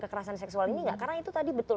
kekerasan seksual ini enggak karena itu tadi betul